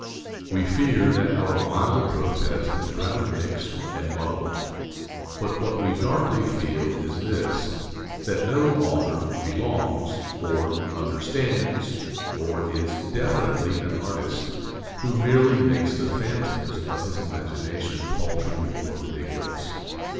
We fear that our mild protest is rather mixed and muddled. But what we darkly feel is this: that no author "belongs," or "understands," or is "definitely an artist" who merely makes the phantoms of his imagination paltry or ridiculous.